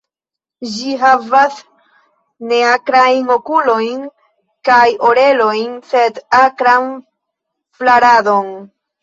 Ĝi havas neakrajn okulojn kaj orelojn, sed akran flaradon.